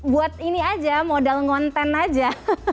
buat ini saja modal konten saja